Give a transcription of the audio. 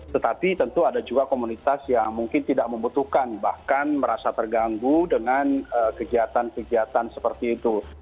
tetapi tentu ada juga komunitas yang mungkin tidak membutuhkan bahkan merasa terganggu dengan kegiatan kegiatan seperti itu